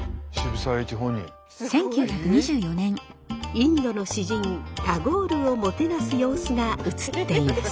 インドの詩人タゴールをもてなす様子が映っています。